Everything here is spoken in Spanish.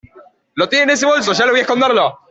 lo tiene en ese bolso, yo la vi esconderlo.